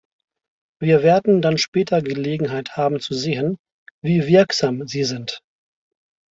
Wir werden dann später Gelegenheit haben zu sehen, wie wirksam sie sind.